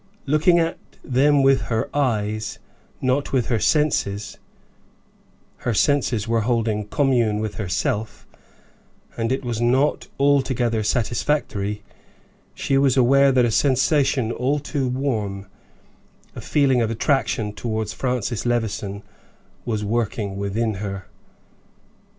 Looking at them with her eyes, not with her senses her senses were holding commune with herself, and it was not altogether satisfactory she was aware that a sensation all too warm, a feeling of attraction toward Francis Levison, was working within her.